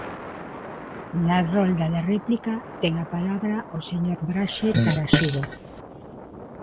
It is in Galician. Na rolda de réplica, ten a palabra o señor Braxe Tarasido.